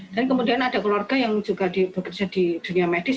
kemudian ada keluarga yang juga bekerja di dunia medis